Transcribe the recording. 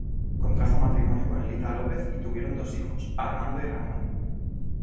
Contrajo matrimonio con Lita López y tuvieron dos hijosː Armando y Ramón.